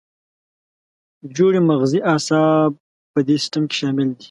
جوړې مغزي اعصاب په دې سیستم کې شامل دي.